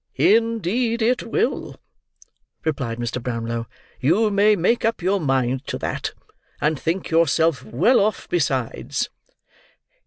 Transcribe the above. "Indeed it will," replied Mr. Brownlow. "You may make up your mind to that, and think yourself well off besides."